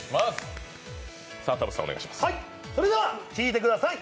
それでは聴いてください。